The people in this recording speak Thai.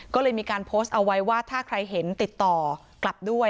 ก็เลยมีการโพสต์เอาไว้ว่าถ้าใครเห็นติดต่อกลับด้วย